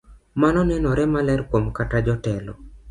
Mano nenore maler kuom kaka jotelo